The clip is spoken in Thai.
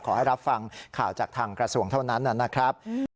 รับฟังข่าวจากทางกระทรวงเท่านั้นนะครับ